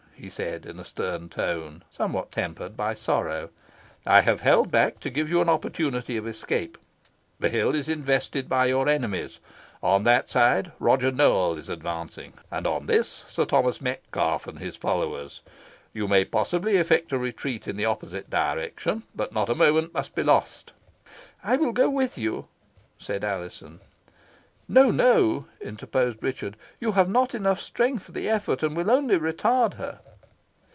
he said, in a stern tone, somewhat tempered by sorrow. "I have held back to give you an opportunity of escape. The hill is invested by your enemies. On that side Roger Nowell is advancing, and on this Sir Thomas Metcalfe and his followers. You may possibly effect a retreat in the opposite direction, but not a moment must be lost." "I will go with you," said Alizon. "No, no," interposed Richard. "You have not strength for the effort, and will only retard her."